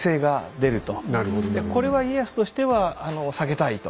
これは家康としては避けたいと。